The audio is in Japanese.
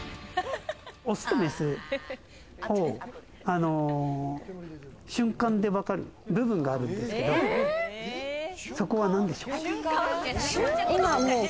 オスとメス、瞬間でわかる部分があるんですけど、そこはなんでしょう？